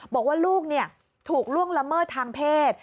บอกว่าลูกถูกล่วงละเมิดทางเพศ